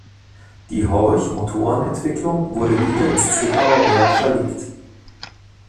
Die Horch-Motorenentwicklung wurde wieder ins Zwickauer Werk verlegt.